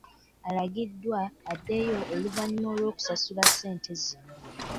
Alagiddwa addeyo oluvannyuma lw'okusasula ssente zino.